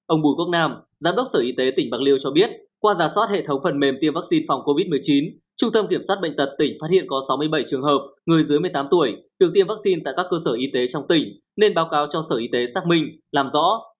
ông bùi quốc nam giám đốc sở y tế tỉnh bạc liêu cho biết qua giả soát hệ thống phần mềm tiêm vaccine phòng covid một mươi chín trung tâm kiểm soát bệnh tật tỉnh phát hiện có sáu mươi bảy trường hợp người dưới một mươi tám tuổi được tiêm vaccine tại các cơ sở y tế trong tỉnh nên báo cáo cho sở y tế xác minh làm rõ